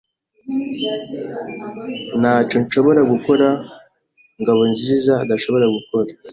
Ntacyo nshobora gukora Ngabonziza adashobora gukora.